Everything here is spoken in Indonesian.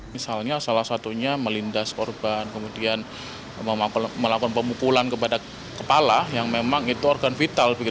misalnya salah satunya melindas korban kemudian melakukan pemukulan kepada kepala yang memang itu organ vital